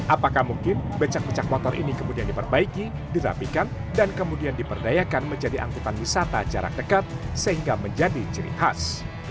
apakah mungkin becak becak motor ini kemudian diperbaiki dirapikan dan kemudian diperdayakan menjadi angkutan wisata jarak dekat sehingga menjadi ciri khas